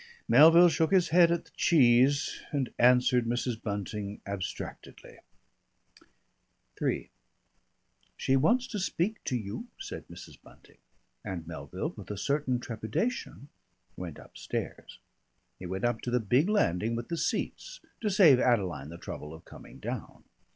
Melville shook his head at the cheese, and answered Mrs. Bunting abstractedly. III "She wants to speak to you," said Mrs. Bunting, and Melville with a certain trepidation went upstairs. He went up to the big landing with the seats, to save Adeline the trouble of coming down.